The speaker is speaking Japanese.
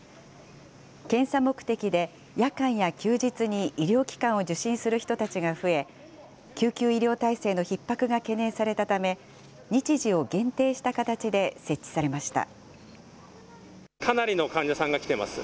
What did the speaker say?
検査目的で夜間や休日に医療機関を受診する人たちが増え、救急医療体制のひっ迫が懸念されたため、日時を限定した形で設置されました。